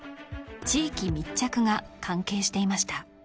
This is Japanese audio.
「地域密着」が関係していました